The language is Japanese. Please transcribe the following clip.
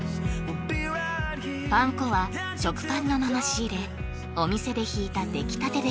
パン粉は食パンのまま仕入れお店でひいた出来たてでくるむ